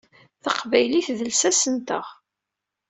D taqbaylit i d lsas-nteɣ.